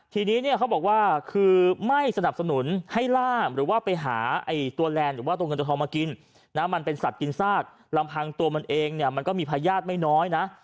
ทีนี้เนี่ยเขาบอกว่าคือไม่สนับสนุนให้ล่ามหรือว่าไปหาไอ้ตัวแลนด์หรือว่าตัวเงินตัวทองมากินนะมันเป็นสัตว์กินซากลำพังตัวมันเองเนี่ยมันก็มีพญาติไม่น้อยนะ